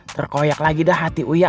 terkoyak lagi dah hati uya